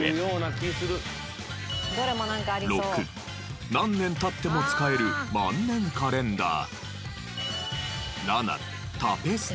６何年経っても使える万年カレンダー。